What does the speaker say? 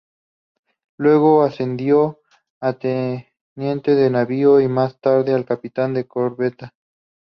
Luego ascendió a Teniente de navío y más tarde a a Capitán de corbeta.